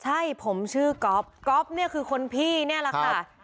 ใช่ผมชื่อก๊อฟก๊อฟเนี่ยคือคนพี่นี่แหละค่ะ